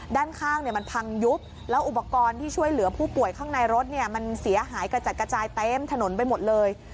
ด้านข้างมันพังยุบแล้วอุปกรณ์ที่ช่วยเหลือผู้ป่วยข้างในรถเนี่ยมันเสียหายกระจัดกระจายเต็มถนนไปหมดเลย